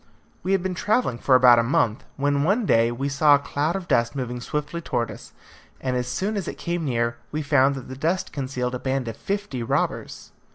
We had been travelling for about a month, when one day we saw a cloud of dust moving swiftly towards us; and as soon as it came near, we found that the dust concealed a band of fifty robbers.